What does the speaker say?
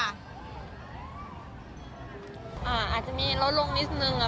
อาจจะมีลดลงนิดนึง